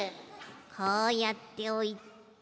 こうやっておいて。